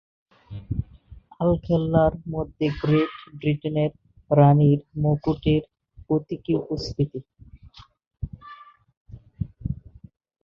আলখাল্লার মধ্যে গ্রেট ব্রিটেনের রানীর মুকুটের প্রতীকী উপস্থিতি।